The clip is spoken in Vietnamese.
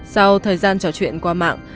sau thời gian trò chuyện qua mạng